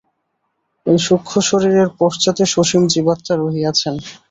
এই সূক্ষ্মশরীরের পশ্চাতে সসীম জীবাত্মা রহিয়াছেন।